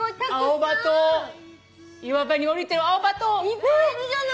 いっぱいいるじゃない。